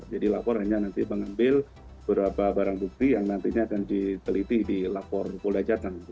jadi lapor hanya nanti mengambil beberapa barang bukti yang nantinya akan dipeliti di lapor pelajaran